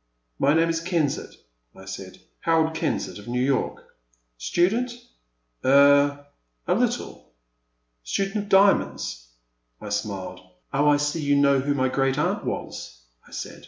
*'My name is Kensett, I said, Harold Ken sett of New York." Student?" ''Er— aUttle "Student of diamonds ?" I smiled. Oh, I see you know who my great aunt was," I said.